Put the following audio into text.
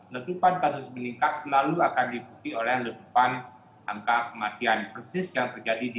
letupan kasus meningkat selalu akan diikuti oleh letupan angka kematian persis yang terjadi di